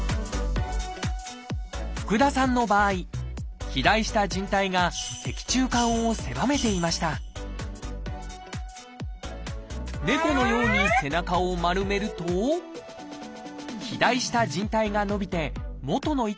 福田さんの場合肥大したじん帯が脊柱管を狭めていました猫のように背中を丸めると肥大したじん帯が伸びて元の位置に戻ります。